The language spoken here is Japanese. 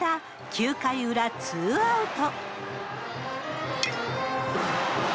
９回裏ツーアウト。